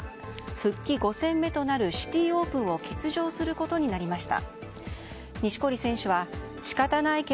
復帰５戦目となるシティ・オープンを欠場することになりました。